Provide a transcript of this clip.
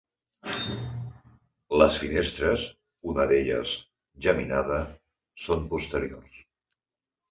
Les finestres, una d'elles geminada, són posteriors.